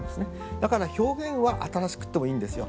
だから表現は新しくてもいいんですよ。